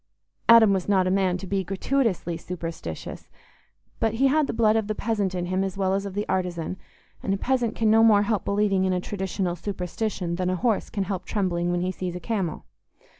Adam was not a man to be gratuitously superstitious, but he had the blood of the peasant in him as well as of the artisan, and a peasant can no more help believing in a traditional superstition than a horse can help trembling when he sees a camel.